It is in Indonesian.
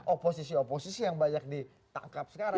oposisi oposisi yang banyak ditangkap sekarang